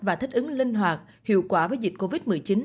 và thích ứng linh hoạt hiệu quả với dịch covid một mươi chín